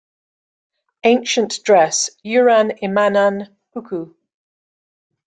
ancient dress ""Euran Emännän Puku"".